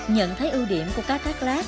nhận thấy ưu điểm của cá thác lát